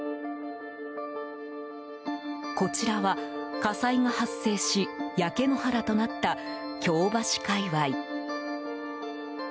こちらは、火災が発生し焼け野原となった京橋界隈。